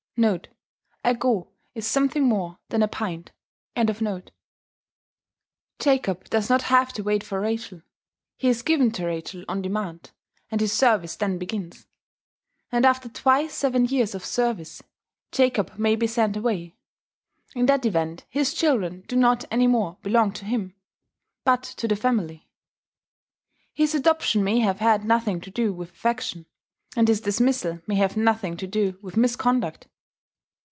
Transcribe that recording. [*A go is something more than a pint.] Jacob does not have to wait for Rachel: he is given to Rachel on demand; and his service then begins. And after twice seven years of service, Jacob may be sent away. In that event his children do not any more belong to him. but to the family. His adoption may have had nothing to do with affection; and his dismissal may have nothing to do with misconduct.